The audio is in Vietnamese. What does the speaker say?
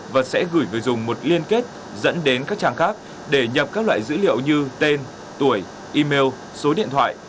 và sẽ gửi người dùng một liên kết dẫn đến các trang khác để nhập các loại dữ liệu như tên tuổi email số điện thoại